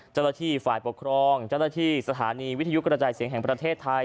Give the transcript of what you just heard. เจ้าหน้าที่ฝ่ายปกครองเจ้าหน้าที่สถานีวิทยุกระจายเสียงแห่งประเทศไทย